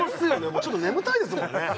もうちょっと眠たいですもんね